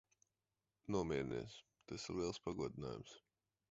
Nomierinies. Tas ir liels pagodinājums.